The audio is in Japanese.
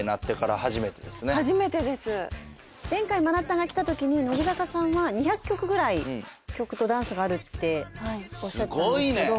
前回まなったんが来たときに乃木坂さんは２００曲ぐらい曲とダンスがあるっておっしゃってたんですけど。